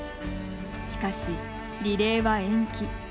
しかし、リレーは延期。